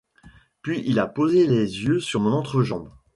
Puis il a posé les yeux sur mon entrejambe.